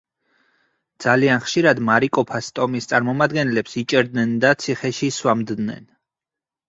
ძალიან ხშირად მარიკოფას ტომის წარმომადგენლებს იჭერდნენ და ციხეში სვამდნენ.